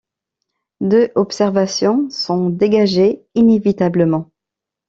Deux observations s’en dégageaient inévitablement.